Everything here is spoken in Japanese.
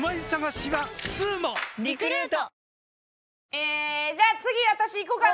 ええーじゃあ次私いこうかな！